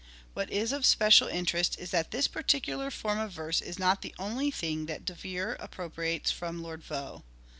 What is of special interest is that this particular form of verse is not the only thing that De Vere appropriates from Lord Vaux.